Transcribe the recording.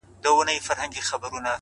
زحمت د موخو د رسېدو وسیله ده.!